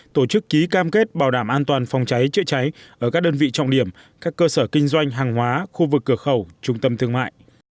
tổ chức ký cam kết bảo đảm an toàn phòng cháy chữa cháy ở các đơn vị trọng điểm các cơ sở kinh doanh hàng hóa khu vực cửa khẩu trung tâm thương mại